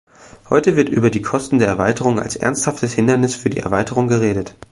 Heute wird über die Kosten der Erweiterung als ernsthaftes Hindernis für die Erweiterung geredet.